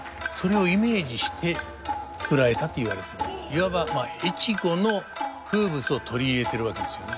いわば越後の風物を取り入れてるわけですよね。